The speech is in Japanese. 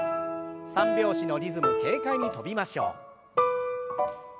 ３拍子のリズム軽快に跳びましょう。